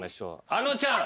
あのちゃん。